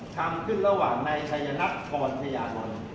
ทำขึ้นระหว่างนายชัยนัทพรพญานนท์